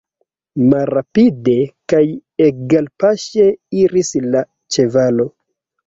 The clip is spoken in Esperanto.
Malrapide kaj egalpaŝe iris la ĉevalo.